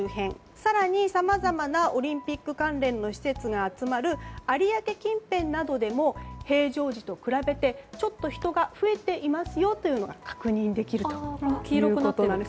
更に、さまざまなオリンピック関連の施設が集まる有明近辺でも平常時と比べてちょっと人が増えていますよというのが確認できるということなんです。